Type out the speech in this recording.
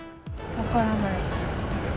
分からないです。